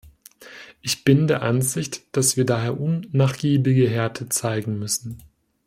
Ich bin der Ansicht, dass wir daher unnachgiebige Härte zeigen müssen.